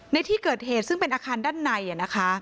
ในที่เกิดเหตุซึ่งเป็นอาคารด้านในนะคะ